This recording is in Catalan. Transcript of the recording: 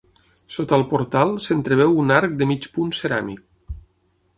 Sota el portal s'entreveu un arc de mig punt ceràmic.